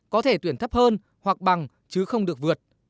có thể tuyển thấp hơn hoặc bằng chứ không được vượt